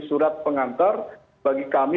surat pengantar bagi kami